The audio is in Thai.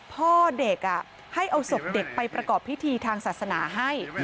พ่อเด็กให้เอาศพเด็กไปประกอบพิธีทางศาสนาให้